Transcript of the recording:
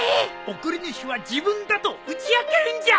送り主は自分だと打ち明けるんじゃ！